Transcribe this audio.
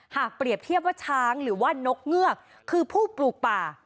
หากเปรียบเทียบว่าช้างหรือว่านกเงือกคือผู้ปลูกป่า